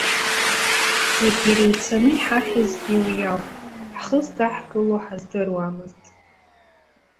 Зегьы иреицәаны иҳахьызгьы уи ауп, ҳхы здаҳкыло ҳаздыруамызт.